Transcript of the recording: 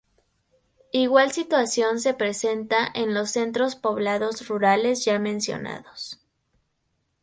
Igual situación se presenta en los centros poblados rurales ya mencionados.